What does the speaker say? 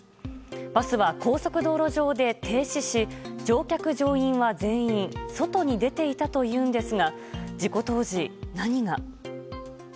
バスは高速道路上で停止し乗客・乗員は全員外に出ていたというんですが事故当時、何が。